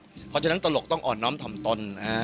เพราะฉะนั้นตลกต้องอ่อนน้อมถ่อมตน